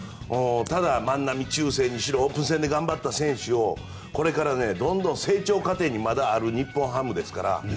ただ、万波中正にしろオープン戦で頑張った選手をこれから、どんどん成長過程にまだある日本ハムですから。